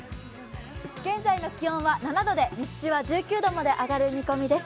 現在の気温は７度で日中は１９度まで上がる見込みです。